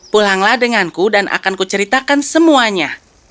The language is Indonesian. pulanglah denganku dan akan kuceritakan semuanya